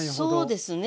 そうですね。